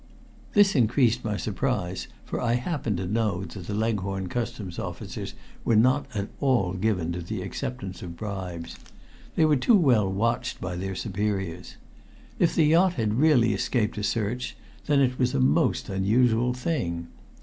This increased my surprise, for I happened to know that the Leghorn Customs officers were not at all given to the acceptance of bribes. They were too well watched by their superiors. If the yacht had really escaped a search, then it was a most unusual thing.